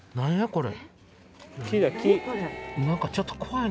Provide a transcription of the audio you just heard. これ。